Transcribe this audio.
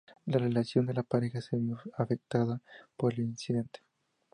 La relación de la pareja se vio afectada por el incidente.